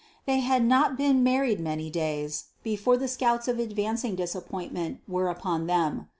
They had not been married many days before the scouts of advancing disappointment were upon them.